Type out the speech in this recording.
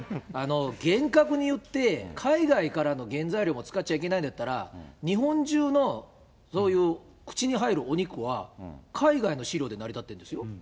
厳格に言って、海外からの原材料も使っちゃいけないんだったら、日本中のそういう口に入るお肉は、海外の飼料で成り立っているんですよ。